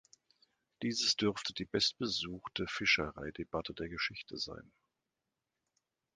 Dieses dürfte die bestbesuchte Fischereidebatte der Geschichte sein.